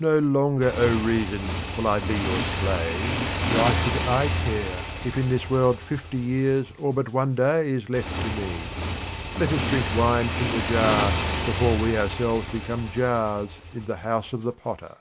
No longer, O reason, will I be your slave : why should I care if in this world fifty years or but one day is left to me ? Let us drink wine from the jar before we ourselves become jars in the house of the potter.